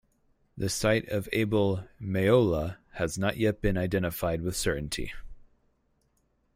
The site of Abel-meholah has not yet been identified with certainty.